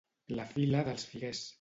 La fila dels figuers.